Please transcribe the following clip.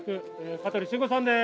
香取慎吾さんです！